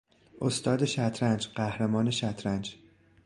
استاد شطرنج، قهرمان شطرنج